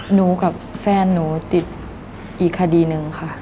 หนูกับแฟนหนูติดอีกคดีหนึ่งค่ะ